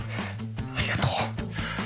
ありがとう。